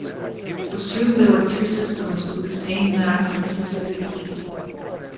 Assume there are two systems with the same mass and specific heat.